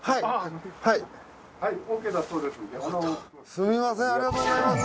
すみませんありがとうございます。